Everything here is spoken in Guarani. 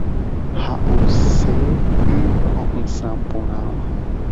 Ha’use y ho’ysã porãva.